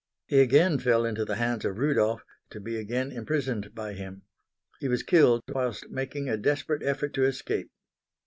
He again fell into the hands of Rudolph, to be again imprisoned by him. He was killed whilst making a desperate effort to escape.